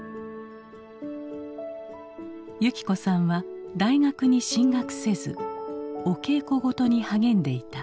友伎子さんは大学に進学せずお稽古事に励んでいた。